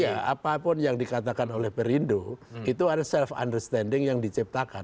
ya apapun yang dikatakan oleh perindo itu ada self understanding yang diciptakan